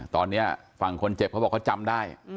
ตอนนี้ฝั่งคนเจ็บเขาบอกเขาจำได้